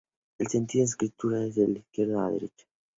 El sentido de escritura es de izquierda a derecha.